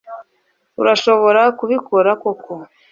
urashobora kubikora koko